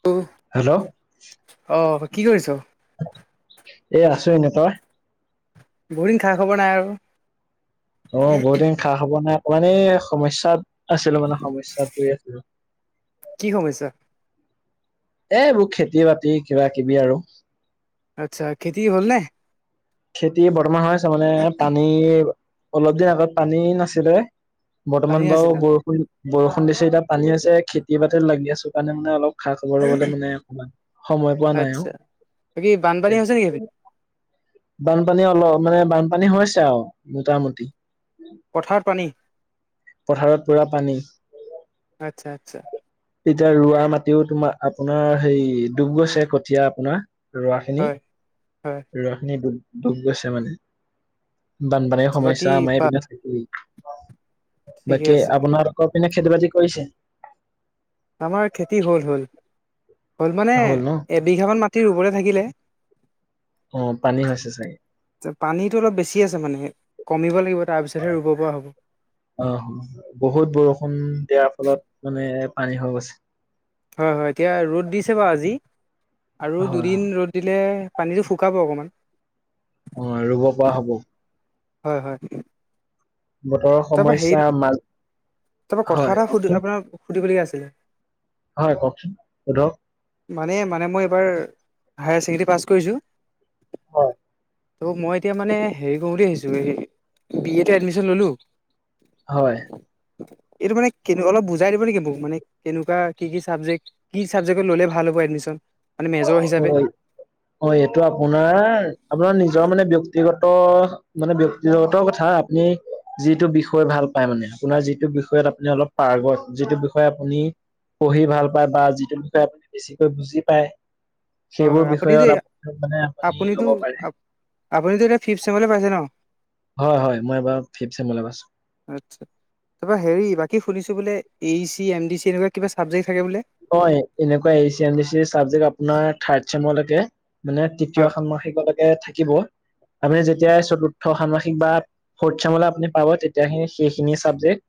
[unintelligible] Hello অ কি কৰিছ? এ আছো এনেই, তই? বহুত দিন খা খবৰ নাই আৰু অ বহুত দিন খা হব নাই মানে সমস্যাত আছিলো মানে সমস্যাত পৰি আছিলো। কি সমস্যা? এইবোৰ খেতি বাতি কিবা কিবি আৰু। আচ্ছা, খেতি হ'ল নে? খেতি বৰ্তমান হৈ আছে মানে পানী অলপ দিন আগত পানী নাছিলে। পানী বৰ্তমান বাৰু আছিলে বৰষুণ বৰষুণ দিছে যেতিয়া পানী আছে খেতি বাতিত লাগি আছো কাৰণে মানে অলপ খা খবৰ লবলৈ মানে অকমান সময় পোৱা নাই ঔ। আচ্ছা বাকী বানপানী হৈছে নেকি ইহঁতি বানপানী অলপ মানে বানপানী হৈছে আৰু মোটামুটি। পথাৰ পানী পথাৰত পুৰা পানী। আচ্ছা আচ্ছা এতিয়া ৰোৱা মাটিও তোমাৰ আপোনাৰ হেই ডুব গৈছে কঠীয়া আপোনাৰ। ৰোৱা খিনি হয় হয় ৰোৱা খিনি ডুব গৈছে মানে। বানপানীৰ বাকী সমস্যা আমাৰ পা এইপিনে থাকেই। ঠিকে বাকী আছে আপোনাৰ দখৰ পিনে খেতি বাতি কৰিছে? আমাৰ খেতি হল হ'ল, হ'ল মানে এবিঘামান মাটি ৰুবলে থাকিলে। অ পানী হৈছে চাগে। আ পানীটো অলপ বেছি আছে মানে কমিব লাগিব তাৰপিছতহে ৰুব পৰা হ'ব। অ বহুত বৰষুণ দিয়াৰ ফলত মানে পানী হৈ গৈছে। হয় হয় এতিয়া ৰ'দ দিছে বাৰু আজি আৰু হয় হয়। দুদিন ৰ'দ দিলে পানীটো শুকাব অকণমান অ ৰুব পৰা হ'ব। হয় হয়। বতৰৰ তাপা সমস্যা হেৰি, মাজ তাপা হয় কথা এটা সুধি কওকচোন আপোনাক সুধিবলগীয়া আছিলে। হয় কওকচোন সোধক মানে মানে মই এইবাৰ হায়াৰ ছেকেণ্ডেৰী পাছ কৰিছোঁ হয় ত' মই এতিয়া মানে হেৰি কৰোঁ আহিছোঁ বি এটো এডমিশ্যন ল'লোঁ হয়। এইটো মানে কে অলপ বুজাই দিব নেকি মোক মানে কেনেকুৱা কি কি চাবজেক্ট। কি চাবজেক্টত ল'লে ভাল হ'ব এডমিশন। হয় হয় এইটো আপোনাৰ আপোনাৰ নিজৰ মানে ব্যক্তিগত মানে ব্যক্তিগত কথা আপুনি যিটো বিষয় ভাল পায় মানে আপোনাৰ যিটো বিষয়ত আপুনি অলপ পাৰ্গত যিটো বিষয়ে আপুনি পঢ়ি ভাল পায় বা যিটো বিষয়ে আপুনি বেছিকৈ বুজি পায়। হয় সেইবোৰ হয় আপুনিতো বিষয়ত মানে আপুনি আপুনিতো ল'ব পাৰে আপুনিতো এতিয়া ফিফ চেমলৈ পাইছে ন? হয় হয় মই এবাৰ ফিফ চেমত এবাৰ। আচ্ছা তাৰ পৰা হেৰি বাকী শুনিছোঁ বোলে A C M D C এনেকুৱা কিবা চাবজেক্ট থাকে বোলে? হয় এনেকুৱা A C M D C subject আপোনাৰ থাৰ্ত চেমৰলৈকে। মানে তৃতীয় হয় ষান্মাসিক লৈকে থাকিব। আপুনি যেতিয়াই চতুৰ্থ ষাম্মাসিক বা ফৰ্থ চেমলে আপুনি পাব তেতিয়াহে সেইখিনি চাবজেক্ট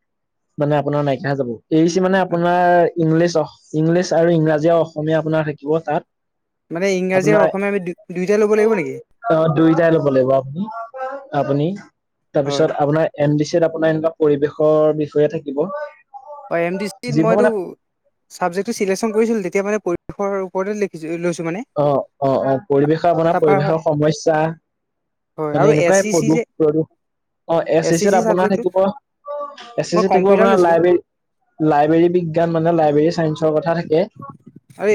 মানে আপোনাৰ নাইকিয়া হৈ যাব। এ ই চি মানে আপোনাৰ ইংলিছ ইংলিছ আৰু ইংৰাজী অসমীয়া আপোনাৰ থাকিব তাত। মানে ইংৰাজী আৰু আপোনাৰ অসমীয়া আমি দুয়োটাই ল'ব লাগিব নেকি? অ দুইটাই ল'ব লাগিব আপুনি আপুনি হয় তাৰপিছত আপোনাৰ এম ডি চি ত আপোনাৰ এনেকুৱা পৰিবেশৰ বিষয়ে থাকিব। হয় এম ডি চিত যিবোৰ মইতো মানে চাবজেক্টটো চেলেকচন কৰিছিলো তেতিয়া মানে পৰিসৰ ওপৰতে লিখিছোঁ লৈছোঁ মানে। অ অ অ পৰিৱেশৰ আপোনাৰ তাৰপা হয় পৰিৱেশৰ সমস্যা মানে আৰু এছ এনেকুৱাই চি চি প্ৰদুষ যে -প্ৰদূষ অ এছ চি চিত আপোনাৰ থাকিব এছ চি মই চিত থাকিব কম্পিউটাৰ আপোনাৰ লৈছিলো লাইব্ৰেৰী লাইব্ৰৰী বিজ্ঞান মানে লাইবেৰী চাইন্ঞ্চ ৰ কথা থাকে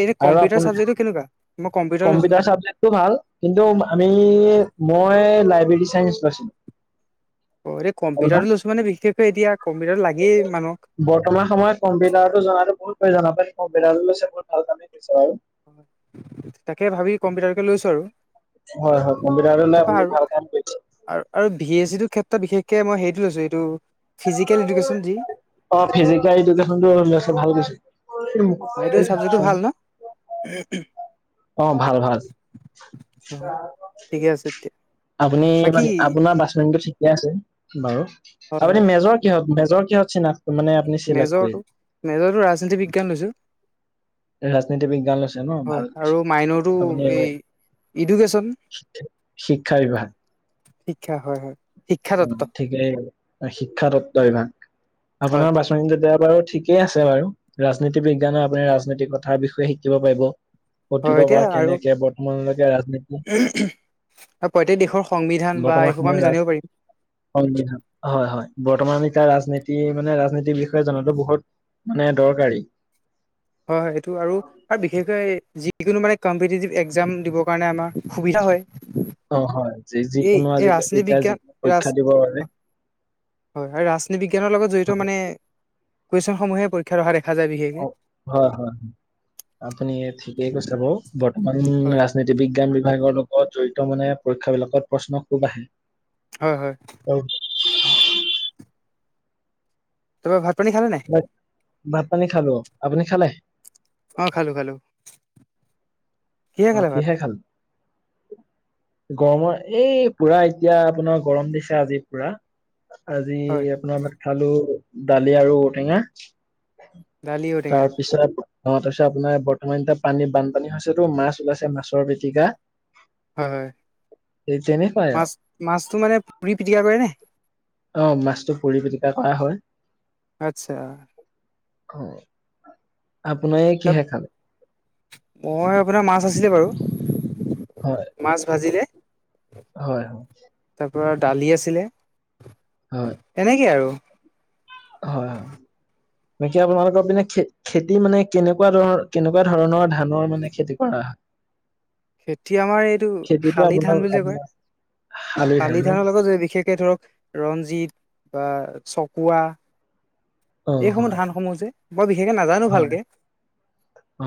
এনে আৰু কম্পিউটাৰ আপোনি চাবজেক্টটো কেনেকুৱা মই লৈছো কম্পিউটাৰ চাবজেক্ট টো ভাল কিন্তু আমি মই লাইব্ৰেৰী চাইন্ঞ্চ লৈছিলোঁ। অ এই কম্পিউটাৰটো লৈছো মানে বিশেষকৈ এতিয়া কম্পিউটাৰত লাগেই মানুক। বৰ্তমান সময়ত কম্পিউটাৰটো জনাতো বহুত প্ৰয়োজন কম্পিটাৰটো লৈছে বহুত ভাল কামেই কৰিছে বাৰু। তাকে ভাবি কম্পিউটাৰকে লৈছো আৰু। হয় হয় কম্পিউটাৰটো লৈ তাৰপা আপুনি ভাল কাম কৰিছে। আৰু -আৰু ভি এচ চি টোৰ ক্ষেত্ৰত বিশেষকে মই হেৰিটো লৈছো এইটো ফিজিকেল এডুকেশ্যন যি অ ফিজিকেল এডুকেশ্যনটো লৈছ ভাল কৰিছ। অ এইটো চাবজেক্টটো ভাল ন? অ ভাল ভাল। অ ঠিকে আছে তেতিয়া আপুনি ম বাকী আপোনাৰ বাচমেনটো ঠিকে আছে। বাৰু হয় আপুনি হয় মেজৰ কিহত মেজৰ কিহত চিনাক মেজৰটো মেজৰটো ৰাজনীতি বিজ্ঞান লৈছো। ৰাজনীতি বিজ্ঞান লৈছে ন হয় ভাল আৰু কৰিছে মাইনৰটো আপুনি এই ইডুকেশ্যন শিক্ষা বিভাগ। শিক্ষা হয় হয়। শিক্ষা অ তত্ব ঠিকেই শিক্ষাতত্ত্ব বিভাগ হয় আপোনাৰ হয় বাছনি কেইটা বাৰু ঠি কেই আছে বাৰু ৰাজনীতি বিজ্ঞানৰ আপুনি ৰাজনীতি কথাৰ বিষয়ে শিকিব পাৰিব। হয় অতিতৰ এতিয়া পৰা আৰু কেনেকে বৰ্তমানলৈকে ৰাজনীতি হয় প্ৰত্যেক দেশৰ সংবিধান বা এইবোৰ আমি জানিব পাৰিম। হয় হয় হয় বৰ্তমান এতিয়া ৰাজনীতি মানে ৰাজনীতিৰ বিষয়ে জনাতো বহুত মানে দৰকাৰী। হয় হয় এইটো আৰু আৰু বিশেষকৈ যিকোনো মানে কম্পিটিটিভ এক্সাম দিবৰ কাৰণে আমাৰ সুবিধা হয়। অ হয় এই যিকোনো এই আজিকালি ৰাজনীতি এতিয়া বিজ্ঞান যিকোনো ৰাজ পৰীক্ষা দিবৰ বাবে হয় আৰু ৰাজনীতি বিজ্ঞানৰ লগত জড়িত মানে কুৱেশ্যন সমূহে পৰি ক্ষাত অহা দেখা যায় বিশেষ অ হয় হয় হয় আপুনি ঠিকেই কৈছে বাৰু বৰ্তমান হয় ৰাজনীতি বিজ্ঞান বিভাগৰ লগত জড়িত মানে পৰীক্ষা বিলাকত প্ৰশ্ন খুব আহে। হয় হয়। [unintelligible] তুমি ভাত পানী খালা নে নাই। ভাত পানী খালো আপুনি খালে। অ খালো খালো। অ কিহে খালে। গৰমৰ এই পুৰা এতিয়া আপোনাৰ গৰম দিছে আজি পুৰা। আজি হয় আপোনাৰ [inaudible] খালো দালি আৰু ঔটেঙা। দালি ঔটেঙা তাৰপিছত অ তাৰ পিছত আপোনাৰ বৰ্তমান এতিয়া পানী বানপানী হৈছেতো আপোনাৰ মাছ। ওলাইছে মাছৰ পিটিকা। হয় হয় এই তেনেকুৱাই আৰু মাছ মাছটো মানে পুৰি পিটিকা কৰেনে। অ মাছটো পুৰি পেটিকা কৰা হয়। আচ্ছা। অ আপোনাৰে কিহে খাল। মই আপোনাৰ মাছ আছিলে বাৰু। হয় মাছ ভাজিলে। হয়। তাৰপৰা দালি আছিলে। হয় এনেকে আৰু। হয় হয়। বাকী আপোনালোকৰ পিনে খে খেতি মানে কেনেকুৱা ধৰনৰ কেনেকুৱা ধৰণৰ ধানৰ মানে খেতি কৰা। খেতি আমাৰ এইটো খেতিটো শালি আপোনাৰ ধান বুলিযে কয়। আপোনাৰ শালি ধান ন ধানৰ লগত বিশেষকে ধৰক। ৰঞ্জিত বা চকুৱা অ', এইসমূহ হয়, ধানসমূহ যে। বৰ বিশেষে নাজান। হয়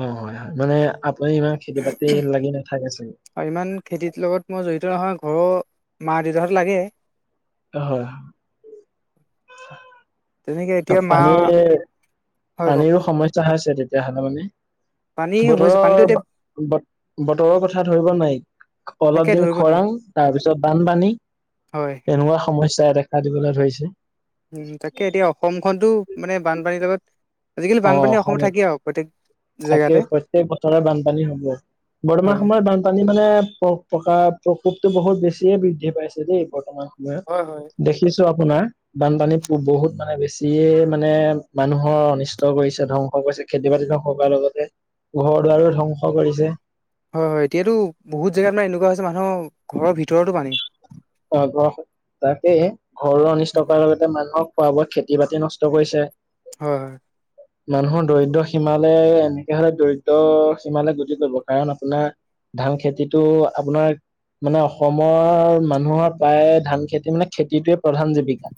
অ হয় মানে আপুনি ইমান খেতি বাতি লাগি নাথাকে চোন। আৰু ইমান খেতিৰ লগত মই জড়িত নহয় ঘৰৰ মা দেউতাহঁত লাগে। হয় হয়। তেনেকে এতিয়া মা পানীৰ। হয় কওক পানীৰো সমস্যা হৈ আছে তেতিয়াহলে মানে পানী হৈছে পানীটো এতিয়া বতৰৰ। ব বতৰৰ কথা ধৰিব নোৱাৰি। তাকে অলপ দিন ধৰিব নোৱাৰি খৰাং তাৰ পিছত বানপানী হয় এনেকুৱা সমস্যাই দে। খা দিবলৈ ধৰিছে। উম তাকে এতিয়া অসমখনতো মানে বানপানীৰ লগত। আজিকালি বানপানী অসমত থাকে আৰু প্ৰতেইক। থাকেই প্ৰট্যক বছৰে বানপানী হব বৰ্তমান হয় সময়ত বানপানী মানে। প্ৰকা প্ৰকোপটো বহুত বেছিয়ে বৃদ্ধি পাইছে দেই বৰ্তমান সময়ত। হয় হয় দেখিছো আপোনাৰ বানপানীত বহুত মানে বেছিয়ে মানে মানুহৰ অনিষ্। নষ্ট কৰিছে ধ্বংস কৰিছে খেতি বাতি ধংস কৰাৰ লগতে ঘৰ দুৱাৰো ধ্বংস কৰিছে। হয় হয় এতিয়াতো বহুত জেগাত মানে এনেকুৱা হৈছে মানুহৰ ঘৰৰ ভিতৰতো পানী। অ ঘৰ তাকে ঘৰৰো অনিষ্ট কৰাৰ লগ। মানুহক খোৱা বোৱা খেতি বাতি নষ্ট কৰিছে। হয় হয়। মানুহৰ দৰিদ্ৰ সীমালে এনেকে হলে দৰিদ্ৰ সীমালে গতি কৰিব কাৰণ আপোনাৰ। ধান খেতিটো আপোনাৰ মানে অসমৰ মান মানুহৰ প্ৰায়ে ধান খেতি মানে খেতিটোয়ে প্ৰধান জীৱিকা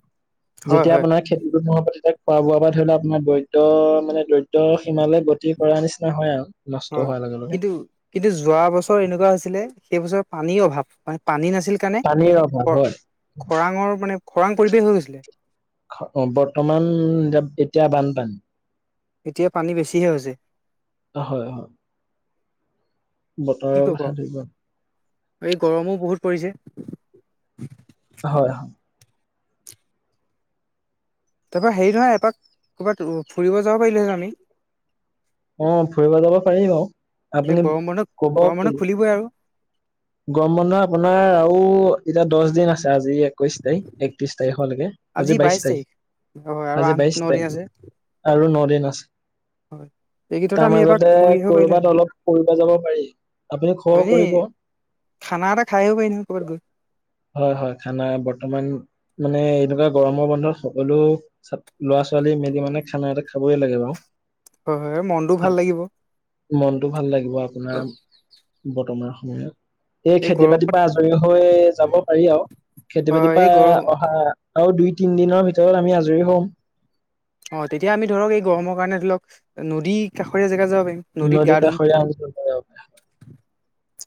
হয় যেতিয়া হয় আপোনাৰ খেতিটো মো প্ৰতি খোৱা বোৱা পা ধৰি লও আপোনাৰ দৰিদ্ৰ মানে দৰিদ্ৰ সীমালৈ গতি কৰা নিচিনা হয় আৰু নষ্ট হয় হোৱাৰ লগে লগে। কিন্তু কিন্তু যোৱা বছৰ এনেকুৱা হৈছিলে সেই বছৰ পানীৰ অভাৱ মানে পানী নাছিল সেইকাৰণে পানীৰ অভাৱ খ হয় খৰাঙৰ মানে খৰাং পৰিৱেশ হৈ গৈছিলে অ বৰ্তমান দে এতিয়া বানপানী এতিয়া পানী বেছিহে হৈছে হয় হয় কি বতৰৰ কব কথা ধৰিব এই গৰমো বহুত পৰিছে হয় হয় তাৰপৰা হেৰি নহয় এপাক ক'ৰবাত ফুৰিব যাব পাৰিলো হয় আমি অ ফুৰিব যাব পাৰিম আৰু এতিয়া আপুনি গৰম বন্ধ কবও গৰম বন্ধ চোন খুলিবই আৰু গৰম বন্ধ আপোনাৰ আৰু এতিয়া দছ দিন আছে আজিহে একৈশ তাৰিখ একত্ৰিশ তাৰিখ'লেকে আজি বাইশ তাৰিখ হয় আৰু আজি আঠ ন বাইশ দিন তাৰিখ আছে আৰু নদিন আছে হয় এইকেইটাতে তাৰ আমি এপাক মাজতে ফুৰি আহিব কৰবাত পাৰিলোহেঁতেন অলপ ফুৰিব যাব পাৰি আপুনি খবৰ এনেই কৰিব খানা এটা খাই আহিব পাৰিম 'কবাত গৈ হয় হয় খানা বৰ্তমান মানে এনেকুৱা গৰমৰ বন্ধত সকলো ছাত ল'ৰা ছোৱালী মেলি মানে খানা এটা খাবই লাগে বাৰু হয় হয় মনটোও ভাল হয়‌ লাগিব মনটো ভাল লাগিব আপোনাৰ বৰ্তমান সময়ত এই খেতি বাতিৰ পা আজৰি হৈ যাব পাৰি আৰু খেতি হয় বাতিৰ পা এই গৰম অহা আৰু দুই তিন দিনৰ ভিতৰত আমি আজৰি হম অ তেতিয়া আমি ধৰক এই গৰমৰ কাৰণে ধৰি লক নদী কাষৰীয়া জেগাত যাব পাৰিম নদীত নদী গা ধুম কাষৰীয়া অঞ্চল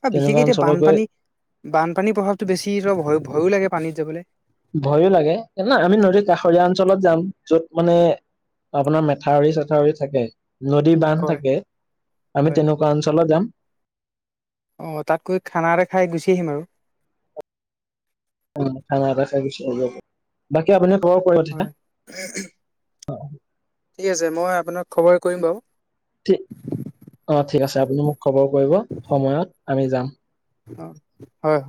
আ তেনেকুৱা বিশেষকে এতিয়া অঞ্চলত গৈ বানপানী বানপানীৰ প্ৰভাৱটো বেছি ধৰ ভ ভয়ো লাগে পানীত যাবলে ভয়ো লাগে না আমি নদীৰ কাষৰীয়া অঞ্চলত যাম য'ত মানে আপোনাৰ মেথাউৰি চেথাউৰি থাকে নদী বান্ধ হয় থাকে আমি হয় তেনেকুৱা অঞ্চলত যাম অঁ তাত গৈ খানা এটা খাই গুচি আহিম আৰু অ খানা এটা খাই গুছি আহিব পাৰো বাকী আপুনাৰ ঘৰ কত‌‌ এতিয়া [unintelligible] ঠিক আছে মই আপোনাক খবৰ কৰিম বাৰু ঠি অঁ ঠিক আছে আপুনি মোক খবৰ কৰিব সময়ত আমি যাম অ হয়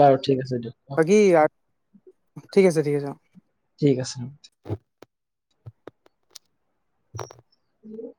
বাৰু ঠিক আছে দিয়ক অ বাকী আক ঠিক আছে ঠিক আছে অঁ ঠিক আছে [unintelligible]